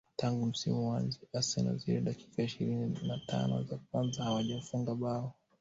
tangu msimu uanze arsenal zile dakika ishirini na tano za kwanza hawajafungwa bao